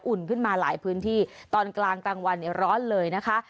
ขึ้นมาหลายพื้นที่ตอนกลางกลางวันเนี่ยร้อนเลยนะคะ